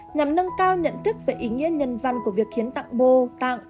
nhằm nâng cao nhận thức về ý nghĩa nhân văn của việc khiến tặng mô tạng